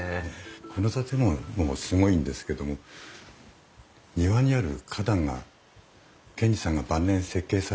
この建物もすごいんですけども庭にある花壇が賢治さんが晩年設計された花壇なんですよ。